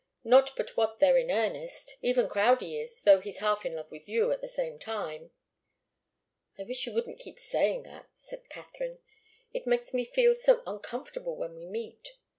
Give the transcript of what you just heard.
Not but what they're in earnest. Even Crowdie is, though he's half in love with you, at the same time." "I wish you wouldn't keep saying that," said Katharine. "It makes me feel so uncomfortable when we meet.